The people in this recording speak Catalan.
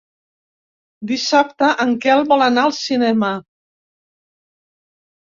Dissabte en Quel vol anar al cinema.